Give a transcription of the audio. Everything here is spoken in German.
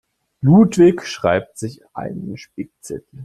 Ludwig schreibt sich einen Spickzettel.